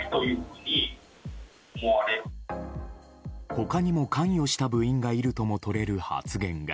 他にも関与した部員がいるともとれる発言が。